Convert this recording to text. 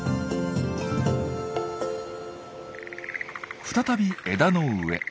再び枝の上。